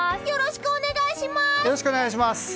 よろしくお願いします！